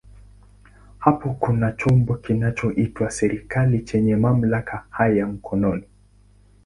Hapo kuna chombo kinachoitwa serikali chenye mamlaka haya mkononi.